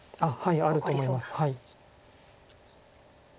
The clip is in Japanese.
あると思います。